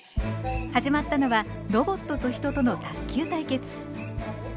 始まったのはロボットと人との卓球対決。